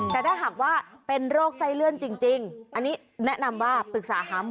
แต่ถ้าหากว่าเป็นโรคไส้เลื่อนจริงอันนี้แนะนำว่าปรึกษาหาหมอ